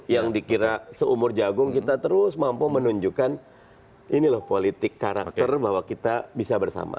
yang dikira seumur jagung kita terus mampu menunjukkan ini loh politik karakter bahwa kita bisa bersama